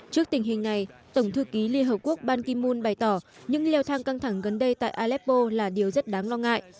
trước tình hình này tổng thư ký liên hợp quốc ban kim mun bày tỏ những leo thang căng thẳng gần đây tại aleppo là điều rất đáng lo ngại